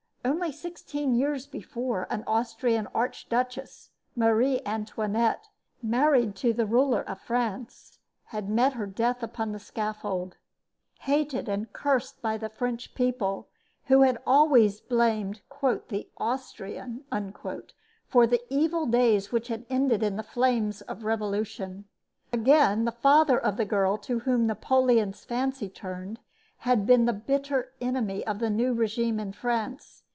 Only sixteen years before, an Austrian arch duchess, Marie Antionette, married to the ruler of France, had met her death upon the scaffold, hated and cursed by the French people, who had always blamed "the Austrian" for the evil days which had ended in the flames of revolution. Again, the father of the girl to whom Napoleon's fancy turned had been the bitter enemy of the new regime in France.